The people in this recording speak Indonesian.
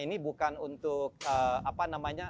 ini bukan untuk apa namanya